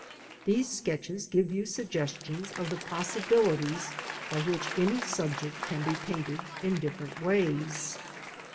These sketches give you suggestions of the possibilities by which any subject can be painted in different ways.